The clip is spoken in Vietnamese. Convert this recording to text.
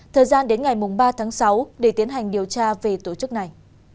thời gian đến ngày ba tháng sáu để tiến hành điều tra về tổ chức này